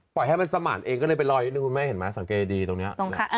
ปล่อยให้มันสะมัดเองก็และไปรอเล็กเนี่ยคุณแม่เห็นมั้ยสังเกตดีตรงเนี้ย